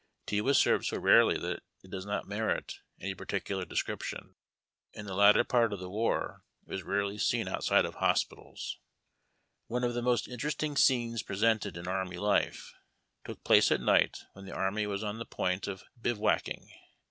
Tea was served so rarely that it does not merit any particular de scription. In the latter part of the war, it was rarely seen outside of hospitals. One of the most interesting scenes presented in array life took place at night when the army was on the point of bivouacking.